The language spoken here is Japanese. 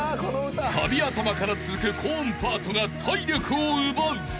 ［サビ頭から続く高音パートが体力を奪う］